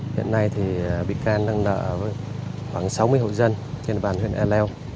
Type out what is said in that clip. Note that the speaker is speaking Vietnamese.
hiện nay thì bị can đang nợ khoảng sáu mươi hộ dân trên bàn huyện ea leo